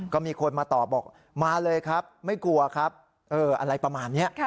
ก็มีคนมาตอบบอกมาเลยครับไม่กลัวครับอะไรประมาณนี้